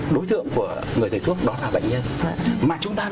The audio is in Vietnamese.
đối tượng của người thầy thuốc đó là bệnh nhân